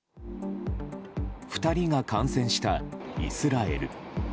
２人が感染したイスラエル。